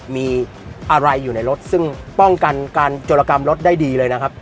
มีอะไรอยู่ในรถซึ่งป้องกันการโจรกรรมรถได้ดีเลยนะครับ